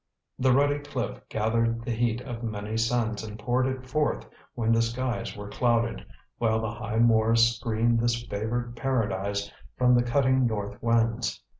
The ruddy cliff gathered the heat of many suns and poured it forth when the skies were clouded, while the high moors screened this favoured paradise from the cutting north winds.